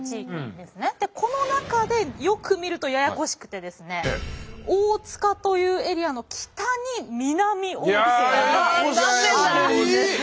でこの中でよく見るとややこしくてですね大塚というエリアの北に南大塚があるんですよ。